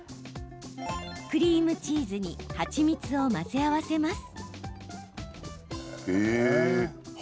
クリームチーズに蜂蜜を混ぜ合わせます。